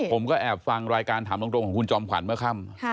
ผมก็แอบฟังรายการถามตรงของคุณจอมขวัญเมื่อค่ำ